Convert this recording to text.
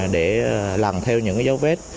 để làm theo những cái dấu vết